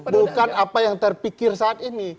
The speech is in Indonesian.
bukan apa yang terpikir saat ini